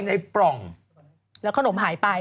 ในปล่องและขนมหายไป